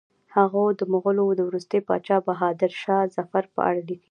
هغه د مغولو د وروستي پاچا بهادر شاه ظفر په اړه لیکي.